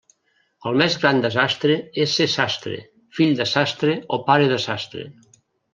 El més gran desastre és ser sastre, fill de sastre o pare de sastre.